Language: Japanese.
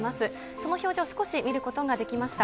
その表情、少し見ることができました。